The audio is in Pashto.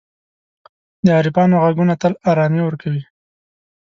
د عارفانو ږغونه تل آرامي ورکوي.